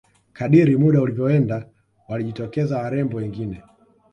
kadiri muda ulivyoenda walijitokeza warembo wengine